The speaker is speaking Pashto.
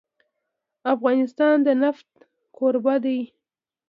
افغانستان د نفت کوربه دی.